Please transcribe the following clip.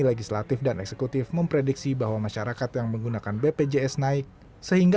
legislatif dan eksekutif memprediksi bahwa masyarakat yang menggunakan bpjs naik sehingga